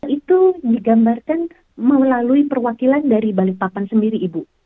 itu digambarkan melalui perwakilan dari balikpapan sendiri ibu